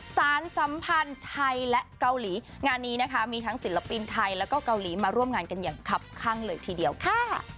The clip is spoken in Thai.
สารสัมพันธ์ไทยและเกาหลีงานนี้นะคะมีทั้งศิลปินไทยแล้วก็เกาหลีมาร่วมงานกันอย่างคับข้างเลยทีเดียวค่ะ